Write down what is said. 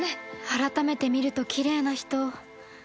改めて見るときれいな人